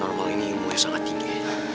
paranormal ini umurnya sangat tinggi